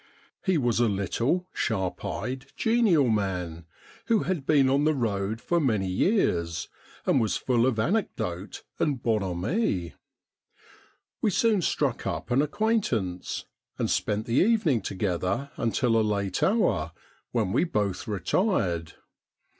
He was a little, sharp eyed, genial man, who had been on the road for many years, and was full of anecdote and bonhomie. We soon struck up an acquaint ance, and spent the evening together until a late hour, when we both retired.